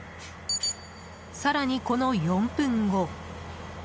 更に、この４分後。